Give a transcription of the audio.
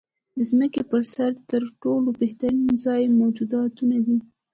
د ځمکې پر سر تر ټولو بهترین ځایونه جوماتونه دی .